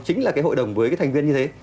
chính là cái hội đồng với cái thành viên như thế